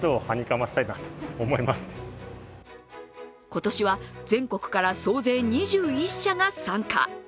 今年は、全国から総勢２１者が参加。